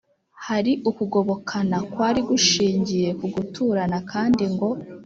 hari ukugobokana kwari gushingiye ku guturana (kandi ngo